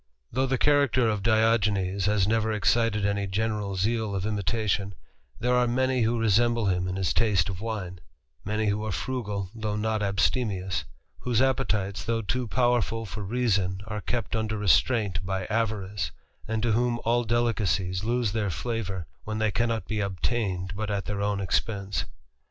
Though the character of Diogenes has never excited any general zeal of imitation, there are many who resemble him in his taste of wine; many who are frugal, though not abstemious; whose appetites, though too powerful for reason, are kept under restraint by avarice ; and to whom all delicacies lose their flavour, when they cannot be obtained but at their own expense.